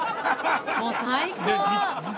もう最高！